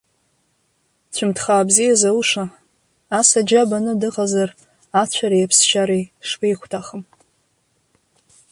Цәымҭхаа бзиа зауша, ас аџьа баны дыҟазар, ацәареи аԥсшьареи шԥеихәҭахым.